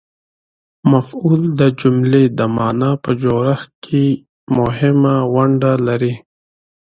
مفعول د جملې د مانا په جوړښت کښي مهمه ونډه لري.